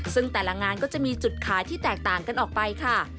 ซึ่งแต่ละงานก็จะมีจุดขายที่แตกต่างกันออกไปค่ะ